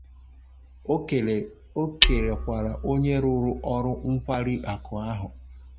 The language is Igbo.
O kèlèkwàrà onye rụrụ ụlọ nkwariakụ ahụ